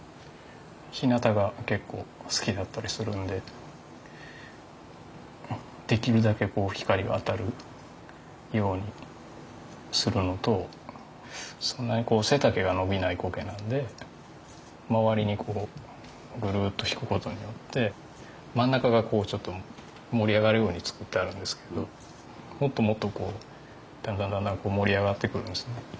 ひなたが結構好きだったりするんでできるだけ光が当たるようにするのとそんなに背丈が伸びないコケなんで周りにぐるっと敷く事によって真ん中がちょっと盛り上がるように作ってあるんですけどもっともっとだんだんだんだん盛り上がってくるんですよね。